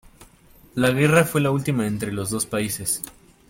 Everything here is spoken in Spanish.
La guerra fue la última entre los dos países.